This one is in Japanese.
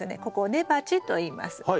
ここを根鉢といいます。